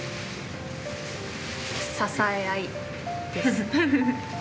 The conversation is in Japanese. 支え合いです。